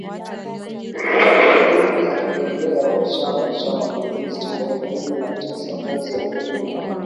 kumi akigombea kwa Chama cha mapinduziTarehe kumi na tisa mwezi wa kumi na